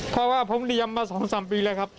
เพราะว่าผมเลี้ยงมาสองสามปีแล้วครับ